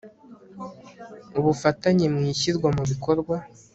ubufatanye mu ishyirwa mu bikorwa